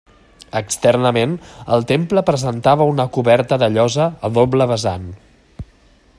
Externament, el temple presenta una coberta de llosa a doble vessant.